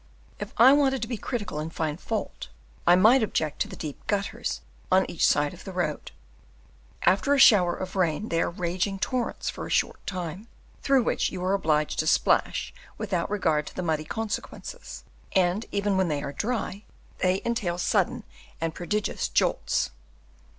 If I wanted to be critical and find fault, I might object to the deep gutters on each side of the road; after a shower of rain they are raging torrents for a short time, through which you are obliged to splash without regard to the muddy consequences; and even when they are dry, they entail sudden and prodigious jolts.